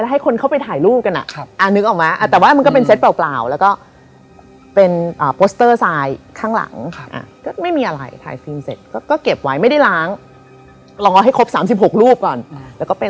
แล้วทุกคนก็ไม่ได้คิดอะไร